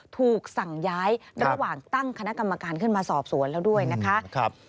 ถูกสั่งย้ายระหว่างตั้งคณะกรรมการขึ้นมาสอบสวนแล้วด้วยนะคะ